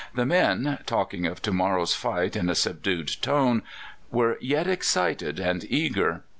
The men, talking of to morrow's fight in a subdued tone, were yet excited and eager.